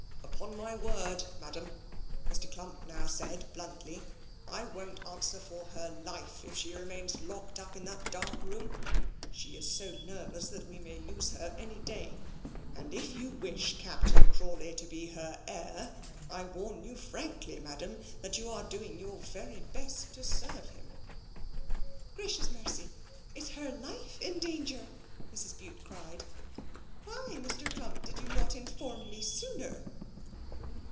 "Upon my word, Madam," Mr. Clump now said bluntly, "I won't answer for her life if she remains locked up in that dark room. She is so nervous that we may lose her any day; and if you wish Captain Crawley to be her heir, I warn you frankly, Madam, that you are doing your very best to serve him." "Gracious mercy! is her life in danger?" Mrs. Bute cried. "Why, why, Mr. Clump, did you not inform me sooner?"